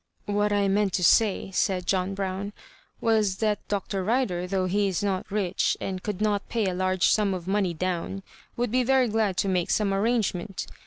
" What I meant to say," said John Brown, was, that Dr. Rider, though he is not rich, and could not pay a large sum Ss money down, would be very glad to make some arrangement.